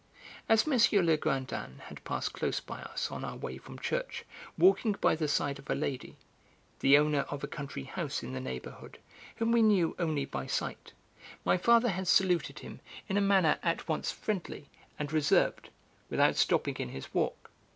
As M. Legrandin had passed close by us on our way from church, walking by the side of a lady, the owner of a country house in the neighbourhood, whom we knew only by sight, my father had saluted him in a manner at once friendly and reserved, without stopping in his walk; M.